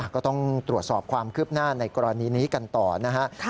ก็ต้องตรวจสอบความคืบหน้าในกรณีนี้กันต่อนะฮะ